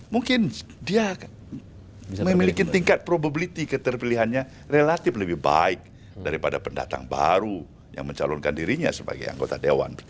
mungkin dia memiliki tingkat probability keterpilihannya relatif lebih baik daripada pendatang baru yang mencalonkan dirinya sebagai anggota dewan